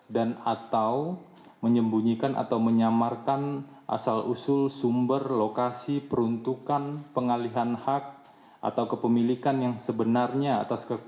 dan atau menyembunyikan atau menyamarkan asal usul sumber lokasi peruntukan pengalihan hak atau kepemilikan yang sebenarnya atas harta kekayaan